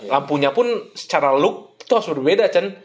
lampunya pun secara look itu harus berbeda